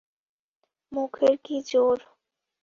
মুখের কি জোর!